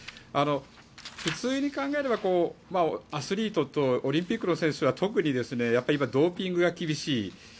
普通に考えればアスリートとオリンピックの選手は特に今はドーピングが厳しい。